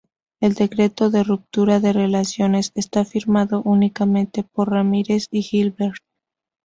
El decreto de ruptura de relaciones está firmado únicamente por Ramírez y Gilbert.